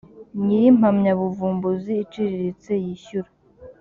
nyir impamyabuvumbuzi iciriritse yishyura